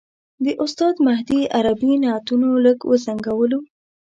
د استاد مهدي عربي نعتونو لږ وځنګولو.